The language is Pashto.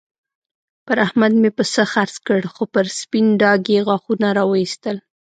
پر احمد مې پسه خرڅ کړ؛ خو پر سپين ډاګ يې غاښونه را واېستل.